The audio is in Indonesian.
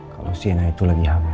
kalau sienna itu lagi hamil